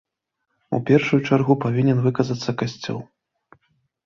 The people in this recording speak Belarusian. У першую чаргу павінен выказацца касцёл.